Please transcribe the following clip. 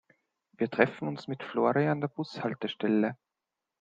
Wir treffen uns mit Flori an der Bushaltestelle.